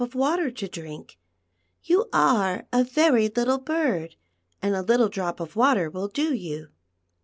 of water to drink. You are a very little bird, and a little drop of water will do you."